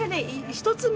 １つ目？